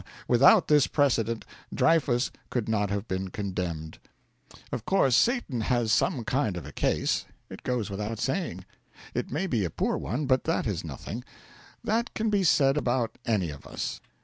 Without this precedent Dreyfus could not have been condemned. Of course Satan has some kind of a case, it goes without saying. It may be a poor one, but that is nothing; that can be said about any of us.